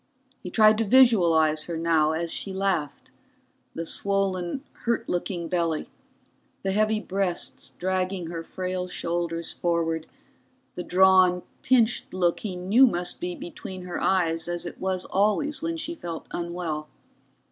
He tried to visualize her now, as she laughed the swollen, hurt looking belly, the heavy breasts dragging her frail shoulders forward, the drawn, pinched look he knew must be between her eyes as it was always when she felt unwell.